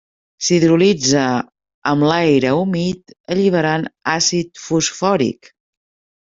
S'hidrolitza en l'aire humit alliberant àcid fosfòric.